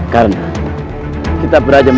karena kita berharap